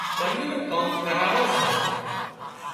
ٻنِِي نُون ڪام ڪراوان سان